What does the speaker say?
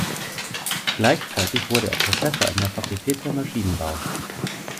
Gleichzeitig wurde er Professor in der Fakultät für Maschinenbau.